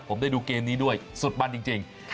ผมได้ดูเกมนี้ด้วยสุดมันจริง